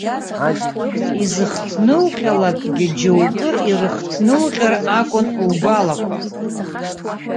Изыхҭнылҟьалакгьы џьоукы ирыхҭнылҟьар акәын лгәалақәа.